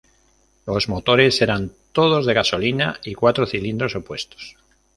Los motores eran todos de gasolina y cuatro cilindros opuestos.